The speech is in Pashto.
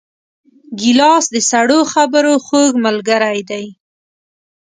ګیلاس د سړو خبرو خوږ ملګری دی.